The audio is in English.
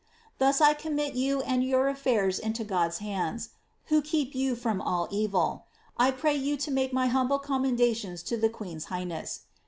Thus I commit you and your affairs into GrA'i hand, who keep you from all evil. I pray you to make my humble com mendations to the Queen's highness.